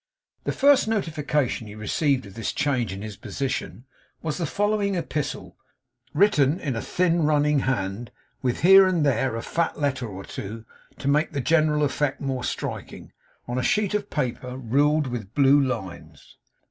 The first notification he received of this change in his position, was the following epistle, written in a thin running hand with here and there a fat letter or two, to make the general effect more striking on a sheet of paper, ruled with blue lines.